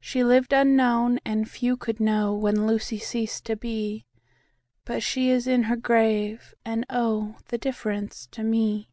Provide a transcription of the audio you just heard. She lived unknown, and few could know When Lucy ceased to be; 10 But she is in her grave, and, oh, The difference to me!